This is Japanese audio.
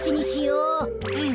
うん。